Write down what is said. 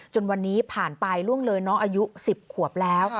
จนวันนี้ผ่านไปล่วงเลยน้องอายุ๑๐ขวบแล้ว